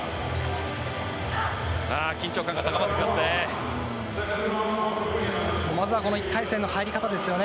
緊張感が高まってきますね。